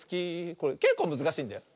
これけっこうむずかしいんだよ。